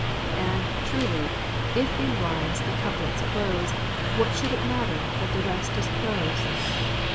And, truly, if in rhymes the couplets close, What should it matter that the rest is prose?